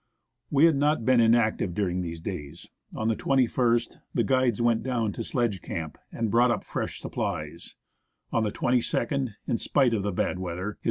We had not been inactive during these days. On the 21st the guides went down to Sledge Camp and brought u[) fresh supplies ; on the 22nd, in spite of the bad weather, H.R.